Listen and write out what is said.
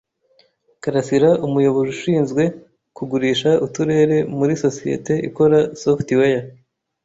Karasirani umuyobozi ushinzwe kugurisha uturere muri sosiyete ikora software.